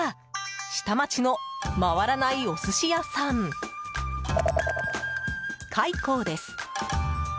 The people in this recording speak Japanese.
下町の回らないお寿司屋さん海幸です。